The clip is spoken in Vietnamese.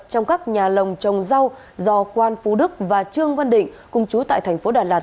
trong các nhà lồng trồng rau do quan phú đức và trương văn định cùng chú tại thành phố đà lạt